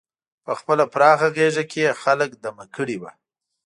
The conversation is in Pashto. په خپله پراخه غېږه کې یې خلک دمه کړي وو.